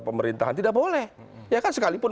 pemerintahan tidak boleh sekalipun